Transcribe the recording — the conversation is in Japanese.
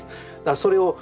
それをあ